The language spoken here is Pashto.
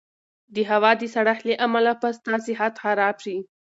د هوا د سړښت له امله به ستا صحت خراب شي.